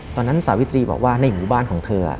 สาวิตรีบอกว่าในหมู่บ้านของเธอ